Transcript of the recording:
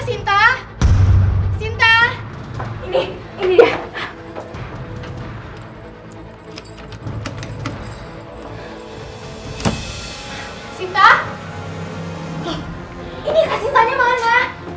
sinta ini kasih tanya mana